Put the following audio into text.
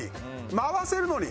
回せるのに。